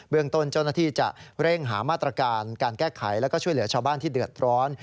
ต้นเจ้าหน้าที่จะเร่งหามาตรการการแก้ไขแล้วก็ช่วยเหลือชาวบ้านที่เดือดร้อน